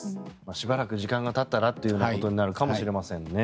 しばらく時間がたったらということになるかもしれませんね。